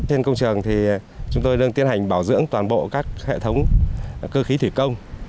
trên công trường thì chúng tôi đang tiến hành bảo dưỡng toàn bộ các hệ thống cơ khí thủy công